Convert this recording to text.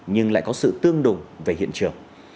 nhưng lại có sự tương đồng về hiện trường